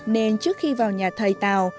nên trước khi vào nhà thầy tào